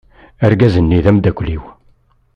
Argaz-nni d ameddakel-iw.